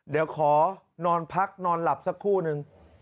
เดี๋ยวขอนอนพักนอนหลับสักคู่นึง